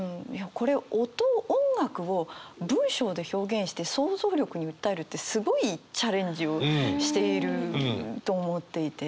これ音音楽を文章で表現して想像力に訴えるってすごいチャレンジをしていると思っていて。